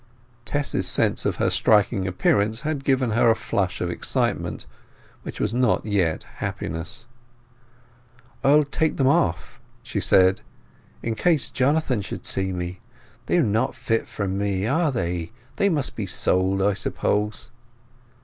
Tess's sense of her striking appearance had given her a flush of excitement, which was yet not happiness. "I'll take them off," she said, "in case Jonathan should see me. They are not fit for me, are they? They must be sold, I suppose?"